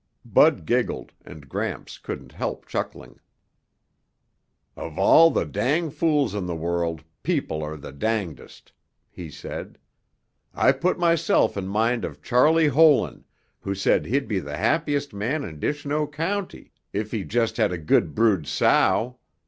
Bud giggled and Gramps couldn't help chuckling. "Of all the dang fools in the world, people are the dangdest," he said. "I put myself in mind of Charley Holan, who said he'd be the happiest man in Dishnoe County if he just had a good brood sow.